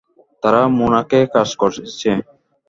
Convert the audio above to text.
তারা মোনার্কে কাজ করেছে।